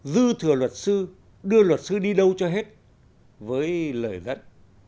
dư thừa luật sư đưa luật sư đi đâu cho hết với lời dẫn